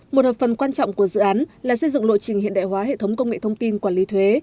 một hợp phần quan trọng của dự án là xây dựng lộ trình hiện đại hóa hệ thống công nghệ thông tin quản lý thuế